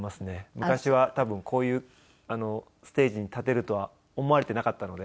昔は多分こういうステージに立てるとは思われていなかったので。